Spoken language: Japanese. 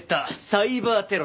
サイバーテロだ。